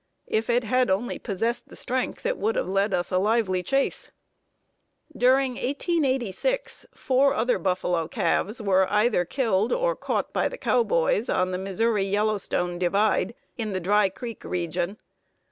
If it had only possessed the strength, it would have led us a lively chase. During 1886 four other buffalo calves were either killed or caught by the cowboys on the Missouri Yellowstone divide, in the Dry Creek region.